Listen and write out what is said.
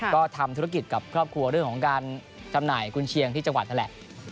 ก็ทำธุรกิจกับครอบครัวเรื่องของการจำหน่ายกุญเชียงที่จังหวัดนั่นแหละ